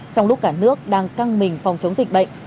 trong lúc cả nước đang căng mình phòng chống dịch bệnh